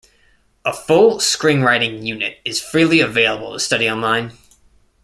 A full Screenwriting Unit is freely available to study online.